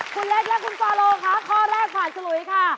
คุณเล็กและคุณฟาโลค่ะข้อแรกผ่านสลุยค่ะ